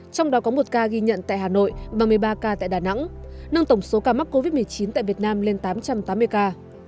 trong đó có một ca ghi nhận tại hà nội và một mươi ba ca tại đà nẵng nâng tổng số ca mắc covid một mươi chín tại việt nam lên tám trăm tám mươi ca